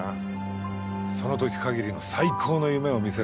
その時限りの最高の夢を見せるものなんだ。